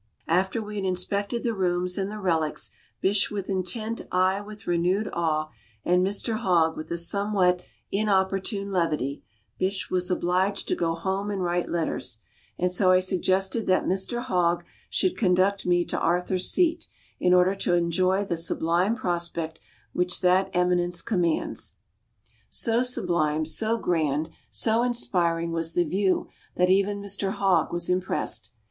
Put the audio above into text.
After we had inspected the rooms and the relics, Bysshe with intent, I, with renewed awe, and Mr Hogg with a somewhat inopportune levity, Bysshe was obliged to go home and write letters, and so I suggested that Mr Hogg should conduct me to Arthur's Seat, in order to enjoy the sublime prospect which that eminence commands. So sublime, so grand, so inspiring was the view that even Mr Hogg was impressed.